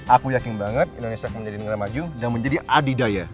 aku yakin banget indonesia akan menjadi negara maju dan menjadi adidaya